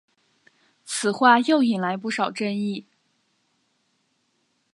此话又引来不少争议。